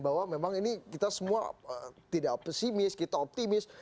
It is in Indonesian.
bahwa memang ini kita semua tidak pesimis kita optimis